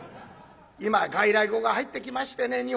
今は外来語が入ってきましてね